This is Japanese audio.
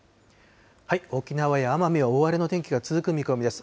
沖縄や奄美は大荒れの天気が続く見込みです。